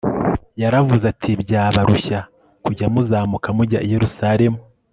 Yaravuze ati Byabarushya kujya muzamuka mujya i Yerusalemu